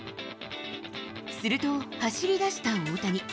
すると、走りだした大谷。